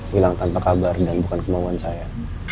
hilang tanpa kabar dan bukan kemauan saya